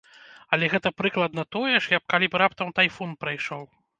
Але гэта прыкладна тое ж, як калі б раптам тайфун прайшоў.